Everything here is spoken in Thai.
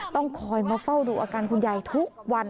ต้องคอยมาเฝ้าดูอาการคุณยายทุกวัน